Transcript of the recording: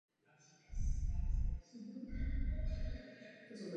Do těchto dvou řádů jsou dinosauři řazeni na základě stavby pánve.